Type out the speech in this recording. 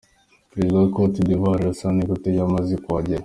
Perezida wa Côte d’Ivoire, Alassane Ouattara, yamaze kuhagera.